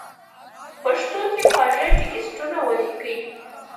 پښتو کې خواږه ټېکسټونه وليکئ!!